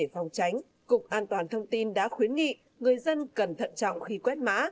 phòng tránh cục an toàn thông tin đã khuyến nghị người dân cần thận trọng khi quét mã